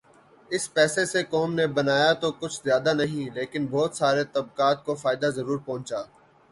اس پیسے سے قوم نے بنایا تو کچھ زیادہ نہیں لیکن بہت سارے طبقات کو فائدہ ضرور پہنچا۔